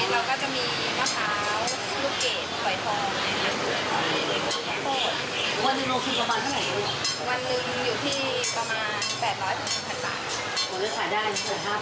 ทำไมถึงคิดว่าทำโรตีขาอย่างนี้อ่ะ